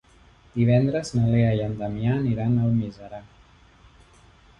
Divendres na Lea i en Damià aniran a Almiserà.